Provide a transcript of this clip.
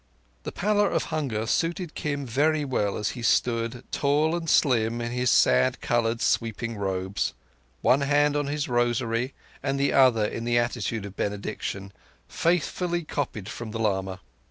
The pallor of hunger suited Kim very well as he stood, tall and slim, in his sand coloured, sweeping robes, one hand on his rosary and the other in the attitude of benediction, faithfully copied from the lama.